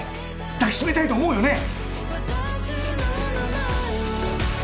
抱きしめたいと思うよね？